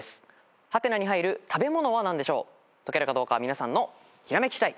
解けるかどうかは皆さんのひらめき次第。